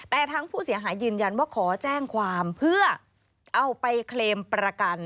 แต่ทางผู้เสียหายยืนยันว่าขอแจ้งความเพื่อเอาไปเคลมประกัน